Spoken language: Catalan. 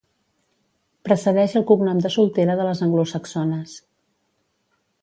Precedeix el cognom de soltera de les anglosaxones.